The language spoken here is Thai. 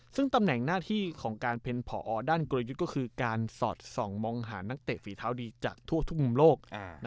ซึ่งตำแหน่งหน้าที่ของการเป็นผอด้านกลยุทธ์ก็คือการสอดส่องมองหานักเตะฝีเท้าดีจากทั่วทุกมุมโลก